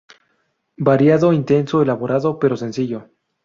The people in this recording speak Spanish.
Variado, intenso, elaborado, pero sencillo.